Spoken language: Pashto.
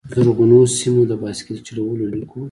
زرغونو سیمو، د بایسکل چلولو لیکو